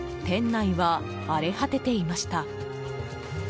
店内は荒れ果てていました。